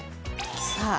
さあ。